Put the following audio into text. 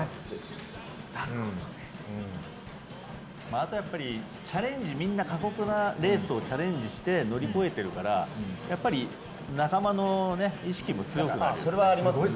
あとはみんな過酷なレースをチャレンジして乗り越えているからやっぱり仲間意識も強くなるよね。